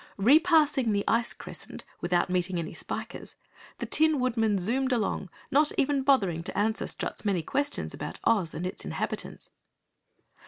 Repassing the ice crescent without meeting any Spikers, the Tin Woodman zoomed along, not even bothering to answer Strut's many questions about Oz and its inhabitants.